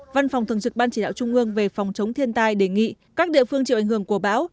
văn phòng thường trực ban chỉ đạo trung ương về phòng chống thiên tai đề nghị các địa phương chịu ảnh hưởng của bão